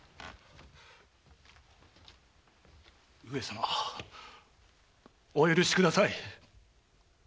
上様お許しください！